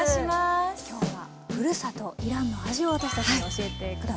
今日はふるさとイランの味を私たちに教えて下さる。